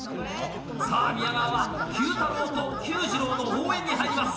さぁ宮川はＱ太郎とＱ次郎の応援に入ります。